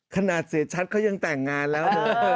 เสียชัดเขายังแต่งงานแล้ว